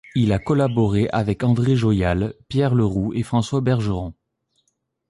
Il a collaboré avec André Joyal, Pierre Leroux et François Bergeron.